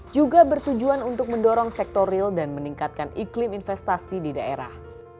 juga bertujuan untuk mendorong sektor real dan meningkatkan iklim investasi di daerah